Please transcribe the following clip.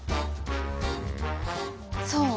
そう。